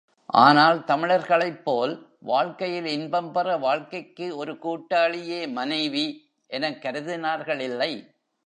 ஆனால் தமிழர்களைப் போல் வாழ்க்கையில் இன்பம் பெற வாழ்க்கைக்கு ஒரு கூட்டாளியே மனைவி எனக் கருதினார்களில்லை.